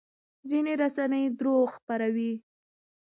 ځینې رسنۍ درواغ خپروي.